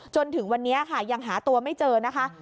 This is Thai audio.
จนถึงวันนี้ค่ะยังหาตัวไม่เจอนะคะ